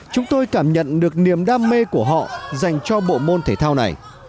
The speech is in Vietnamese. chúng tôi cảm nhận được niềm đam mê của họ dành cho bộ môn thể thao này